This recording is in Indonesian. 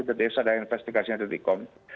dtx ada investigasinya dtkom